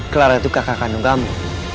clara itu kakak kandung kamu